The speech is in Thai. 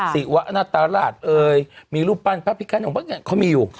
ศิวะนาตราชเอ่ยมีรูปปั้นพระพิคันของพวกเนี่ยเขามีอยู่